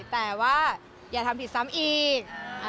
แต่ว่าอย่าทำผิดซ้ำอีก